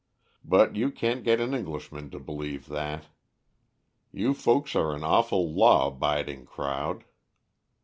But you can't get an Englishman to believe that. You folks are an awful law abiding crowd.